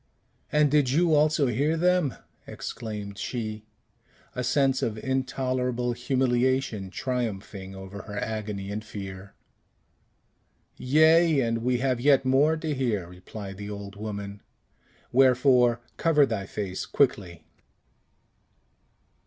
"And did you also hear them?" exclaimed she, a sense of intolerable humiliation triumphing over her agony and fear. "Yea; and we have yet more to hear," replied the old woman. "Wherefore, cover thy face quickly."